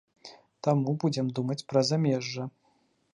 Таму будзем думаць пра замежжа.